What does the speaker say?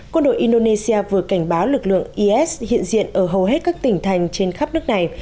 quân đội indonesia vừa cảnh báo lực lượng is hiện diện ở hầu hết các tỉnh thành trên khắp nước này